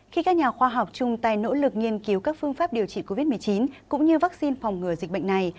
khi các nhà khoa học chung tay nỗ lực nghiên cứu các phương pháp điều trị covid một mươi chín cũng như vaccine phòng ngừa dịch bệnh này